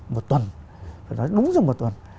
một tuần phải nói đúng là một tuần